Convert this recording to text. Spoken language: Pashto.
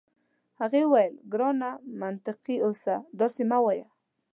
هغې وویل: ګرانه منطقي اوسه، داسي مه وایه.